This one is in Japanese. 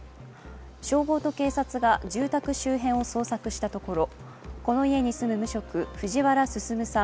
消防と警察が住宅周辺を捜索したところこの家に住む無職藤原進さん